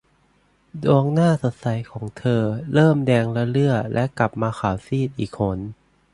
ดวงหน้าสดใสของเธอ เริ่มแดงระเรื่อและกลับมาขาวซีดอีกหน